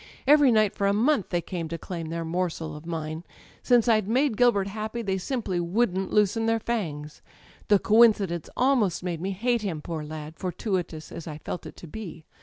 Every night for a month they came to claim their morsel of mine: since I'^ made Gilbert happy they simply wouldn't loosen their fangs. The coincidence almost made me hate him, poor lad> fortuitous as I felt it to be.